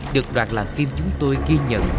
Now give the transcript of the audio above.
được đoạt là phim chúng tôi ghi nhận